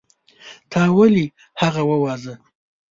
تا ولې هغه وواژه.